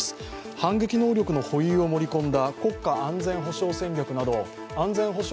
反撃能力の保有を盛り込んだ国家安全保障戦略など安全保障